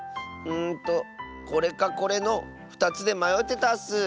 うんとこれかこれの２つでまよってたッス。